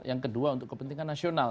yang kedua untuk kepentingan nasional